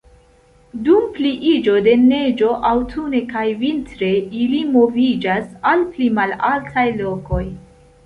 Dum pliiĝo de neĝo aŭtune kaj vintre ili moviĝas al pli malaltaj lokoj.